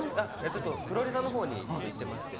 フロリダのほうに行っていまして